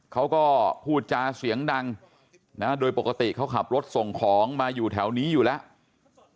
เขาก็พูดจาเสียงดังนะโดยปกติเขาขับรถส่งของมาอยู่แถวนี้อยู่แล้ว